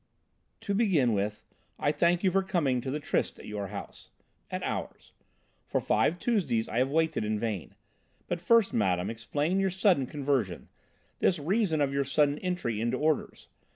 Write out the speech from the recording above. "To begin with, I thank you for coming to the tryst at your house at ours. For five Tuesdays I have waited in vain. But first, madame, explain your sudden conversion, the reason of your sudden entry into Orders.